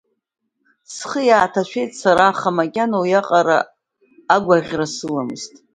Схы иааҭашәеит сара, аха макьана уиаҟара агәаӷьра сыламызт…